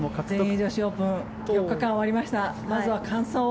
全英女子オープン４日間終わりました。